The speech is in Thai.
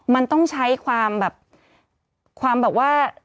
มันต้องใช้ความแบบความแบบว่า